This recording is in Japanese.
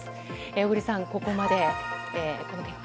小栗さん、ここまでこの結果。